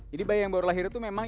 jadi bayi yang baru lahir itu memang